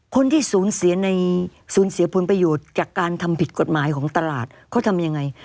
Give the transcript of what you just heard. คนที่สูญเสียในสูญเสียผลประโยชน์จากการทำผิดกฎหมายของตลาดเขาทำยังไง